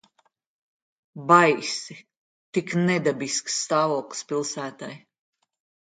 Baisi. Tik nedabisks stāvoklis pilsētai.